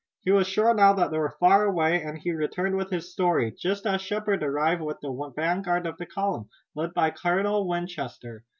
He was sure now that they were far away, and he returned with his story, just as Shepard arrived with the vanguard of the column, led by Colonel Winchester.